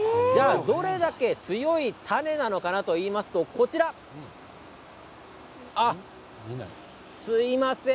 どれだけ強い種なのかといいますとこちらすみません